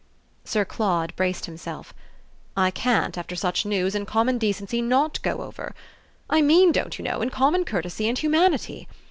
Sir Claude braced himself. "I can't, after such news, in common decency not go over. I mean, don't you know, in common courtesy and humanity.